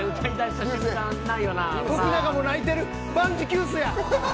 徳永も泣いてる万事休すや。